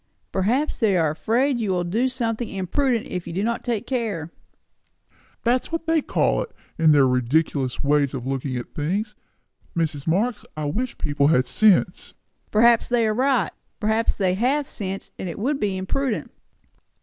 "Perhaps they are afraid you will do something imprudent if they do not take care." "That's what they call it, with their ridiculous ways of looking at things. Mrs. Marx, I wish people had sense." "Perhaps they are right. Perhaps they have sense, and it would be imprudent."